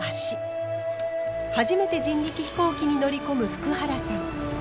初めて人力飛行機に乗り込む福原さん。